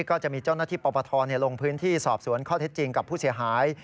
ก็จะมีเจ้าหน้าที่ปปทลงพื้นที่สอบสวนข้อเท็จจริงกับผู้เสียหาย